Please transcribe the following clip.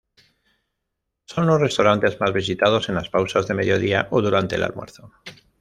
Son los restaurantes más visitados en las pausas de mediodía, o durante el almuerzo.